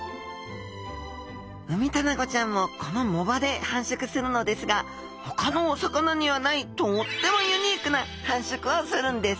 ウミタナゴちゃんもこの藻場で繁殖するのですがほかのお魚にはないとってもユニークな繁殖をするんです。